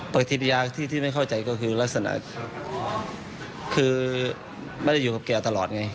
ปฏิเสธที่ไม่เข้าใจก็คือลักษณะคือไม่อยู่กับเกรียร์ตลอดไง